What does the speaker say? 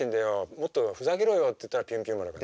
もっとふざけろよっていったら「ピュンピュン丸」が。